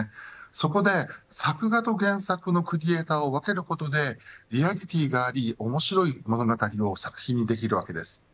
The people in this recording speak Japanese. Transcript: そこで作画と原作のクリエイターを分けることでリアリティーがあり面白い物語を作品にできるわけです。